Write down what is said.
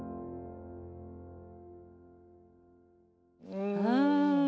うん。